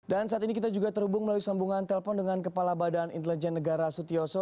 dan saat ini kita juga terhubung melalui sambungan telpon dengan kepala badan intelijen negara sutyoso